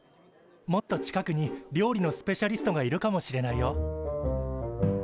もっと近くに料理のスペシャリストがいるかもしれないよ。